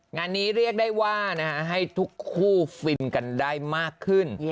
งานนี้เรียกได้ว่าให้ทุกคู่ฟินกันได้มากขึ้น